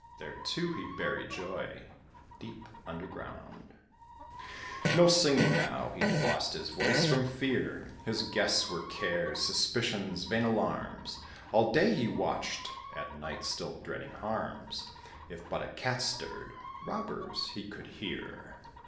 There, too, he buried joy, deep under ground; No singing now: he'd lost his voice from fear. [Illustration: THE COBBLER AND THE BANKER.] His guests were cares, suspicions, vain alarms; All day he watch'd, at night still dreading harms: If but a cat stirr'd, robbers he could hear.